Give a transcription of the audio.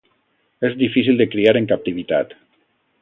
És difícil de criar en captivitat.